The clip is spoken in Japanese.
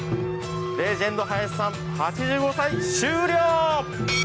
レジェンド・林さん８５歳、終了。